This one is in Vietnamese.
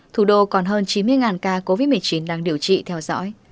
thủ đô còn hơn chín mươi ca covid một mươi chín đang điều trị theo dõi